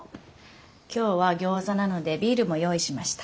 今日は餃子なのでビールも用意しました。